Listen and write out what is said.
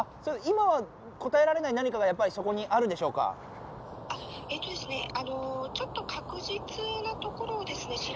今は答えられない何かがやっぱりそこにあるんでしょうか☎えっとですねちょっと確実なところをですね